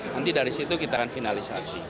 nanti dari situ kita akan finalisasi